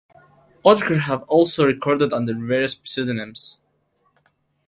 Autechre have also recorded under various pseudonyms.